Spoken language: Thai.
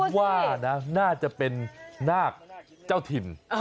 ว่านะน่าจะเป็นนาคเจ้าถิ่น